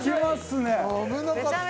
危なかった。